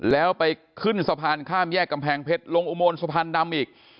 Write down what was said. แล้วไปขึ้นสะพานข้ามแยกกำแพงเพชรลงอุโมนสะพานดำอีก